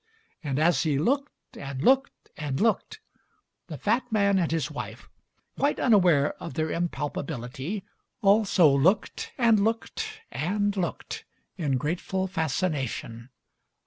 And as he looked and looked and looked, the fat man and his wife, quite unaware of their impalpability, also looked and looked and looked in grateful fascination.